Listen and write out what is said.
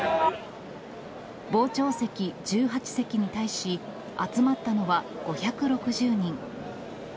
傍聴席１８席に対し、集まったのは５６０人。